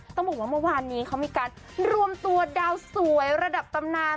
ต้องบอกว่าเมื่อวานนี้เขามีการรวมตัวดาวสวยระดับตำนาน